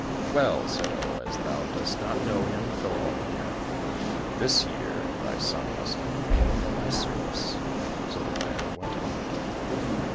" Well," said Oh, " as thou dost not know him, go home again ; this year thy son must remain in my service." So the man went home again.